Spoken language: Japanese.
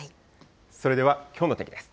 それではきょうの天気です。